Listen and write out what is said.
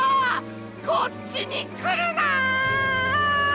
こっちにくるな！